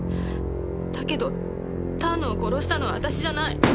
だけど丹野を殺したのは私じゃない。